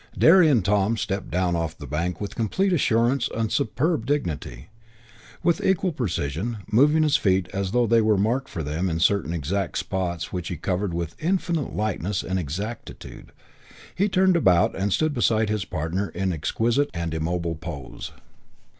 Derry and Toms stepped down off the bank with complete assurance and superb dignity. With equal precision, moving his feet as though there were marked for them certain exact spots which he covered with infinite lightness and exactitude, he turned about and stood beside his partner in exquisite and immobile pose.